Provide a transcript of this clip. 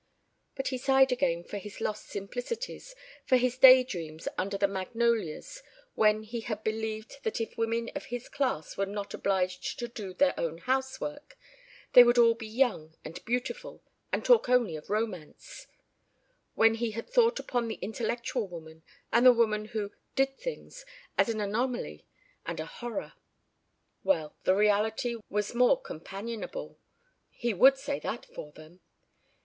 But he sighed again for his lost simplicities, for his day dreams under the magnolias when he had believed that if women of his class were not obliged to do their own housework they would all be young and beautiful and talk only of romance; when he had thought upon the intellectual woman and the woman who "did things" as an anomaly and a horror. Well, the reality was more companionable, he would say that for them.